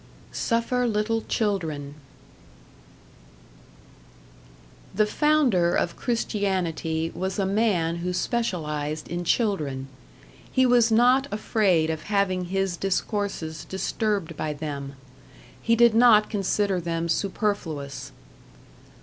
#Suffer Little Children# The founder of Christianity was a man who specialized in children. He was not afraid of having His discourses disturbed by them, He did not consider them superfluous.